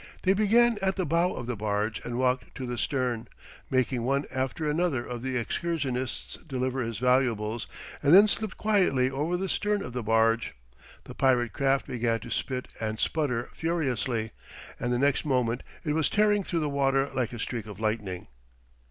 They began at the bow of the barge and walked to the stern, making one after another of the excursionists deliver his valuables, and then slipped quietly over the stern of the barge; the pirate craft began to spit and sputter furiously; and the next moment it was tearing through the water like a streak of lightning.